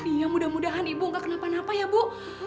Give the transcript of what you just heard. iya mudah mudahan ibu nggak kenapa napa ya bu